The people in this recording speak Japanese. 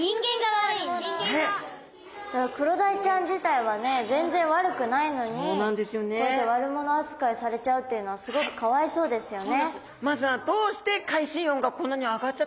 クロダイちゃん自体はね全然悪くないのにこうやって悪モノ扱いされちゃうっていうのはすごくかわいそうですよね。